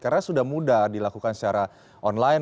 karena sudah mudah dilakukan secara online